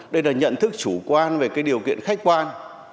đây là nhận thức chủ quan về cái điều kiện khách quan